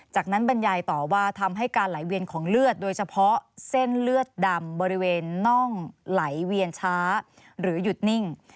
จากนั้นบรรยายต่อว่าทำให้การไหลเวียนของเลือดโดยเฉพาะเส้นเลือดดำบริเวณน่องไหลเวียนช้าหรือหยุดนิ่ง